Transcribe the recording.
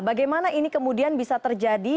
bagaimana ini kemudian bisa terjadi